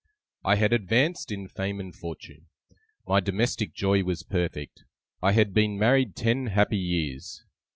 I had advanced in fame and fortune, my domestic joy was perfect, I had been married ten happy years.